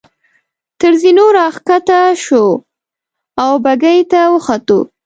تر زینو را کښته شوو او بګۍ ته وختو.